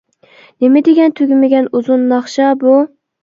نېمە دېگەن تۈگىمىگەن ئۇزۇن ناخشا بۇ؟ !